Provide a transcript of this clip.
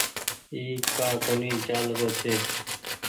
اي ڪآ ڪونيٚ چآلرو ڇي۔